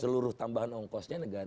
seluruh tambahan on cost nya negara